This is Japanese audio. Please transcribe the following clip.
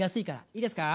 いいですか。